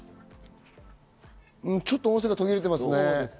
ちょっと音声が途切れていますね。